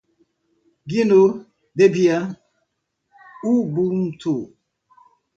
gnu, debian, ubuntu